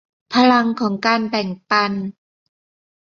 พลังของการแบ่งปัน